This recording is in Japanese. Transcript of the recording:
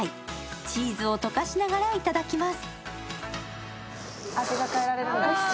チーズを溶かしながらいただきます。